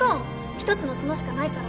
一つの角しかないから？